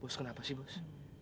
bos kenapa sih bos